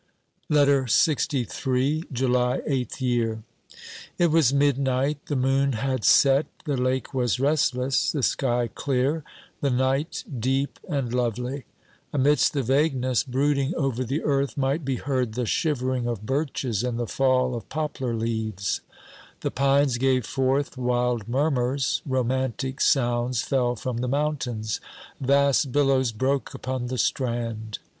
LETTER LXIII /ufy {Eighth Year). It was midnight ; the moon had set, the lake was rest less, the sky clear, the night deep and lovely. Amidst the vagueness brooding over the earth might be heard the shivering of birches and the fall of poplar leaves ; the pines gave forth wild murmurs ; romantic sounds fell from the mountains; vast billows broke upon the strand.